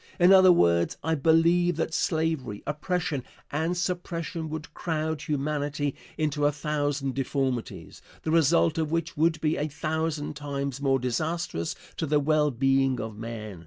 In other words, I believe that slavery, oppression and suppression would crowd humanity into a thousand deformities, the result of which would be a thousand times more disastrous to the well being of man.